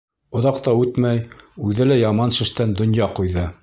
Оҙаҡ та үтмәй, үҙе лә яман шештән донъя ҡуйҙы.